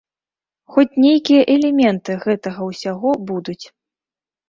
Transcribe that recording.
Хоць нейкія элементы гэтага ўсяго будуць.